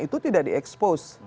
itu tidak di expose